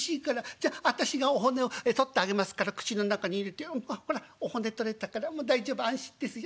『じゃ私がお骨を取ってあげますから口の中に入れてほらお骨取れたからもう大丈夫安心ですよ。